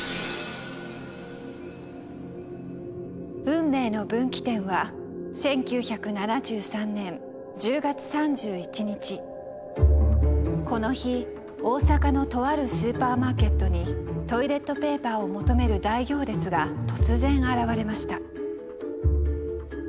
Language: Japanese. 運命の分岐点はこの日大阪のとあるスーパーマーケットにトイレットペーパーを求める大行列が突然現れました。